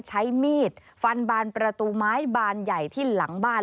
ใช้มีดฟันบานประตูไม้บานใหญ่ที่หลังบ้าน